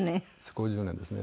５０年ですね。